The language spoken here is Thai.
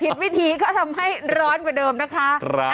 วิธีก็ทำให้ร้อนกว่าเดิมนะคะ